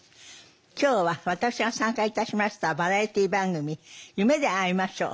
今日は私が参加いたしましたバラエティー番組「夢であいましょう」。